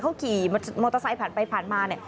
เขาขี่มอเตอร์ไซค์ผ่านไปผ่านมา